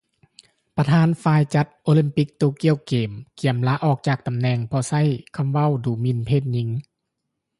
ປະທານຝ່າຍຈັດ ໂອແລມປິກໂຕກຽວເກມ ກຽມລາອອກຈາກຕໍາແໜ່ງ ເພາະໃຊ້ຄຳເວົ້າດູໝິ່ນເພດຍິງ